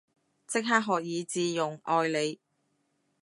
即刻學以致用，愛你